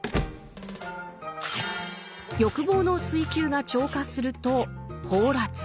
欲望の追求が超過すると「放埓」。